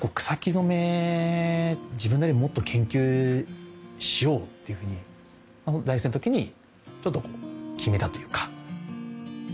染め自分なりにもっと研究しようというふうに大学生の時にちょっとこう決めたというか。